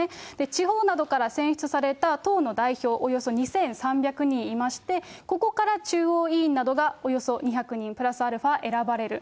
地方などから選出された党の代表、およそ２３００人いまして、ここから中央委員などがおよそ２００人プラスアルファ選ばれる。